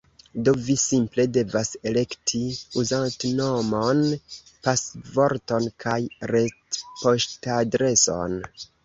Do vi simple devas elekti uzantnomon pasvorton kaj retpoŝtadreson